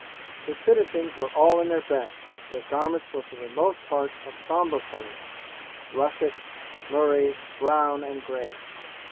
The citizens were all in their best; their garments were for the most part of somber colours russet, murrey, brown, and gray.